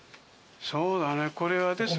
そうだねこれはですね